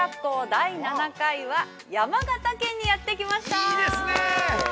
第７回は山形県にやってきました。